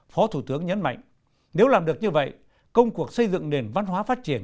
phó thủ tướng nhấn mạnh nếu làm được như vậy công cuộc xây dựng nền văn hóa phát triển